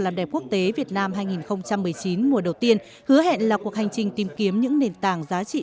làm đẹp quốc tế việt nam hai nghìn một mươi chín mùa đầu tiên hứa hẹn là cuộc hành trình tìm kiếm những nền tảng giá trị